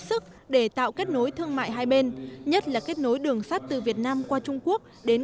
sức để tạo kết nối thương mại hai bên nhất là kết nối đường sắt từ việt nam qua trung quốc đến